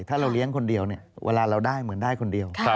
ถ้าเราเลี้ยงคนเดียวเนี่ยเวลาเราได้เหมือนได้คนเดียว